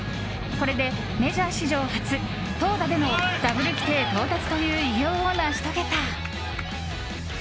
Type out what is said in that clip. これでメジャー史上初、投打でのダブル規定到達という偉業を成し遂げた。